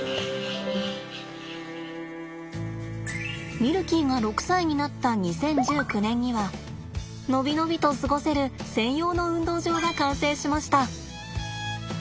ミルキーが６歳になった２０１９年には伸び伸びと過ごせる専用の運動場が完成しました。